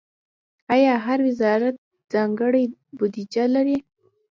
آیا هر وزارت ځانګړې بودیجه لري؟